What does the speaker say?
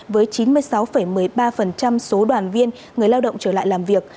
với chín mươi sáu một mươi ba số đoàn viên người lao động trở lại làm việc